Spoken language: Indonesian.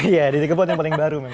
iya didi kempot yang paling baru memang